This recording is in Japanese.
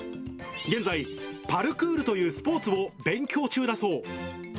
現在、パルクールというスポーツを勉強中だそう。